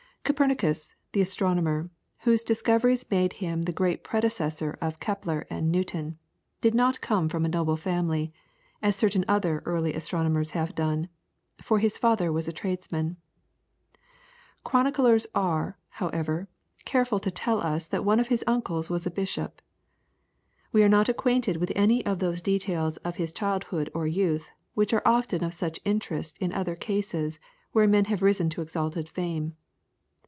Copernicus, the astronomer, whose discoveries make him the great predecessor of Kepler and Newton, did not come from a noble family, as certain other early astronomers have done, for his father was a tradesman. Chroniclers are, however, careful to tell us that one of his uncles was a bishop. We are not acquainted with any of those details of his childhood or youth which are often of such interest in other cases where men have risen to exalted fame.